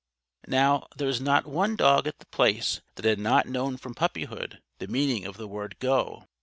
Now, there was not one dog at The Place that had not known from puppy hood the meaning of the word "Go!"